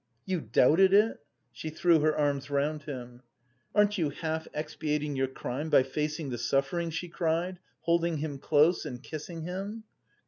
"You doubted it?" She threw her arms round him. "Aren't you half expiating your crime by facing the suffering?" she cried, holding him close and kissing him.